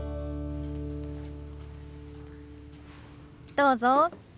どうぞ。